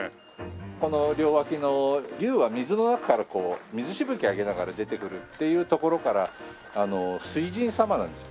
この両脇の竜は水の中から水しぶき上げながら出てくるっていうところから水神様なんですよ。